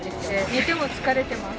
寝ても疲れてます